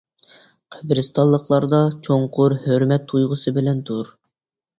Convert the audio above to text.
قەبرىستانلىقلاردا چوڭقۇر ھۆرمەت تۇيغۇسى بىلەن تۇر.